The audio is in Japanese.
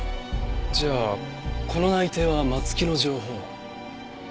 じゃあこの内偵は松木の情報。